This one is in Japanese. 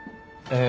え